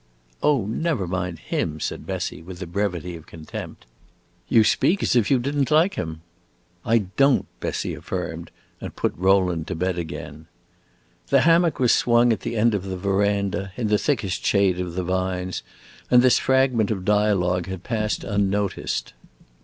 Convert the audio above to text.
"Oh, never mind him!" said Bessie, with the brevity of contempt. "You speak as if you did n't like him." "I don't!" Bessie affirmed, and put Rowland to bed again. The hammock was swung at the end of the veranda, in the thickest shade of the vines, and this fragment of dialogue had passed unnoticed.